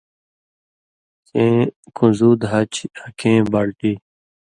کیں کُن٘زو دھا چھی آں کیں بالٹی